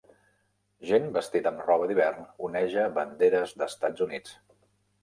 Gent vestida amb roba d'hivern oneja banderes d'Estats Units.